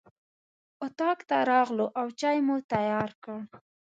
اطاق ته راغلو او چای مو تیار کړ.